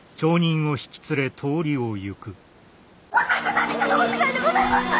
何かの間違いでございます！